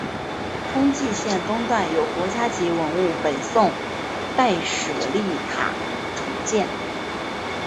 通济街东段有国家级文物北宋代舍利塔重建。